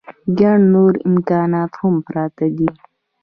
ګڼ نور امکانات هم پراته دي.